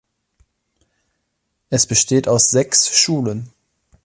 Es besteht aus sechs Schulen.